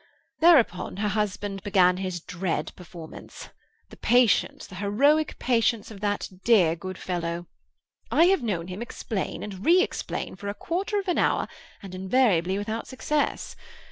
Thereupon, her husband began his dread performance. The patience, the heroic patience, of that dear, good fellow! I have known him explain, and re explain, for a quarter of an hour, and invariably without success.